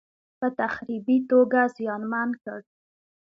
په تخریبي توګه زیانمن کړ.